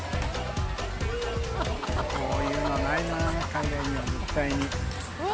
こういうのないな海外には絶対に。